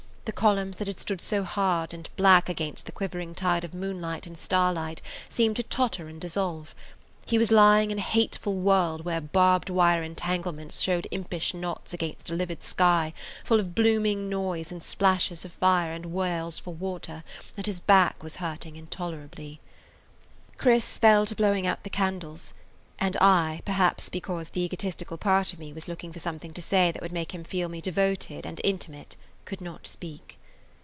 The columns that had stood so hard and black against the quivering tide of moonlight and starlight seemed to totter and dissolve. He was lying in a hateful world where barbed wire entanglements showed impish knots against a livid sky full of blooming noise and splashes of fire and wails for water, and his back was hurting intolerably. Chris fell to blowing out the candles, and I, perhaps because the egotistical part of me was looking for something to say that would make him feel me devoted and intimate, could not speak.